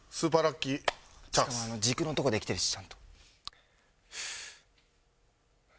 軸のとこできてるしちゃんと。